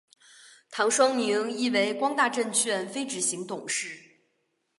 唐双宁亦为光大证券非执行董事。